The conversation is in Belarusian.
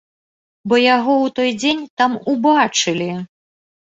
Бо яго ў той дзень там убачылі.